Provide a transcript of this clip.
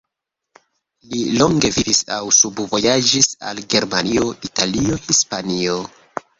Li longe vivis aŭ studvojaĝis al Germanio, Italio, Hispanio.